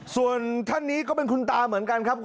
ส่วนท่านนี้ก็เป็นคุณตาเหมือนกันครับ